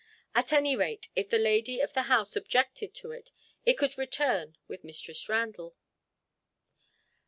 At any rate, if the lady of the house objected to it, it could return with Mistress Randall.